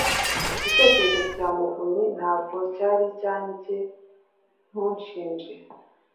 Igitekerezo cya Muvunnyi ntabwo cyari cyanjye Ntunshinje